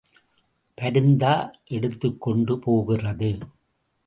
பருந்தா எடுத்துக் கொண்டு போகிறது?